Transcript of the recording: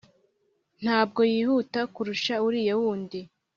ntabwo yihuta kurusha uriy wundi;